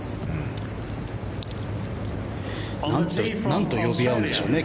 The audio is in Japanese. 何と呼び合うんでしょうね